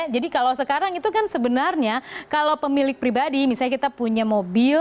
jadi kalau sekarang itu kan sebenarnya kalau pemilik pribadi misalnya kita punya mobil